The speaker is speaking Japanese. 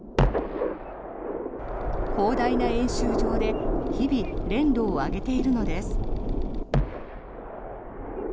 広大な演習場で日々、練度を上げているのです。